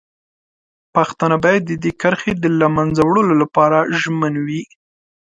پښتانه باید د دې کرښې د له منځه وړلو لپاره ژمن وي.